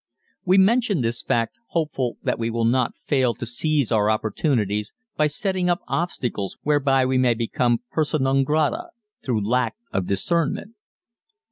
We mention this fact hopeful that we will not fail to seize our opportunities by setting up obstacles whereby we may become persona non grata through lack of discernment.